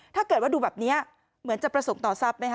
ถ้าเกิดว่าดูแบบนี้เหมือนจะประสงค์ต่อทรัพย์ไหมคะ